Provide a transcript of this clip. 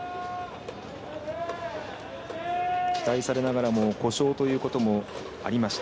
期待されながらも故障ということもありました。